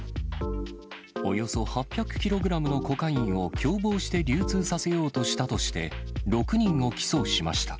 およそ８００キログラムのコカインを共謀して流通させようとしたとして、６人を起訴しました。